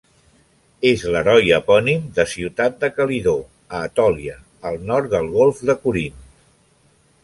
És l'heroi epònim de ciutat de Calidó, a Etòlia, al nord del golf de Corint.